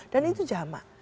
dan itu jamak